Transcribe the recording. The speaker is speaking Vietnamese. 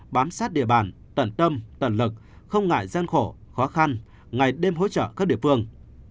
bám sát địa bàn tận tâm tận lực không ngại gian khổ khó khăn ngày đêm hỗ trợ các địa phương